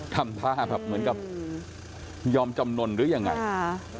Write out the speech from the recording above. ทำท่าแบบเหมือนกับยอมจำนวนหรือยังไงค่ะ